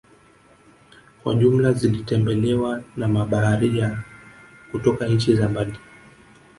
Kwa jumla zilitembelewa na mabaharia kutoka nchi za mbali